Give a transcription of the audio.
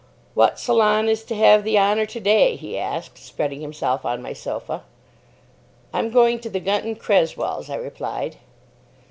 "What salon is to have the honour today?" he asked, spreading himself on my sofa. "I'm going to the Gunton Cresswells," I replied.